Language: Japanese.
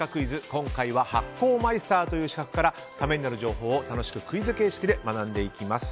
今回は発酵マイスターという資格からためになる情報を楽しくクイズ形式で学んでいきます。